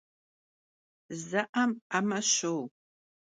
Ze'em 'eme şou.